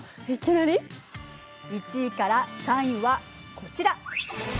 １位から３位はこちら。